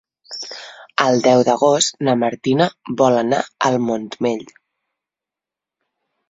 El deu d'agost na Martina vol anar al Montmell.